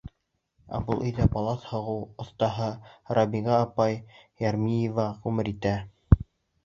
Ә был өйҙә балаҫ һуғыу оҫтаһы Рабиға апай Йәрмиева ғүмер итә.